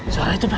suara itu pak